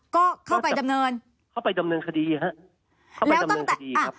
ก็เข้าไปดำเนินเข้าไปดำเนินคดีฮะเข้าไปดำเนินคดีครับ